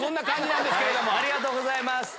ありがとうございます。